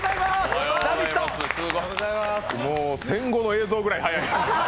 もう戦後の映像ぐらい早い。